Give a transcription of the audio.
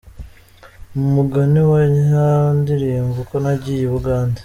Wa mugani wa ya ndirimbo ’Uko nagiye i Bugande’ ….